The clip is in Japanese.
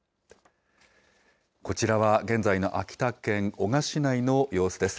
こちらは現在の秋田県男鹿市内の様子です。